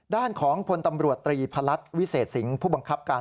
ด้านของพลตำรวจตรีพลัดวิเศษสิงห์ผู้บังคับการ